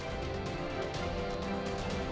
kami akan mulai dari pemerintah